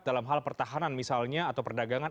soal pertahanan misalnya atau perdagangan